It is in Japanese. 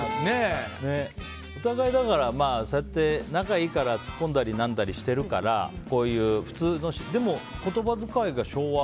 お互いそうやって仲良いからツッコんだりなんだりしてるからでも、言葉遣いが昭和。